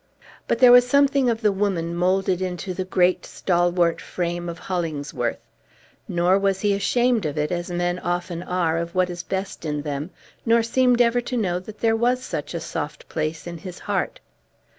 But there was something of the woman moulded into the great, stalwart frame of Hollingsworth; nor was he ashamed of it, as men often are of what is best in them, nor seemed ever to know that there was such a soft place in his heart.